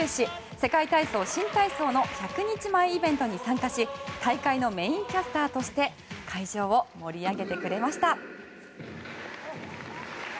世界体操・新体操の１００日前イベントに登場し大会のメインキャスターとして会場を盛り上げてくれました。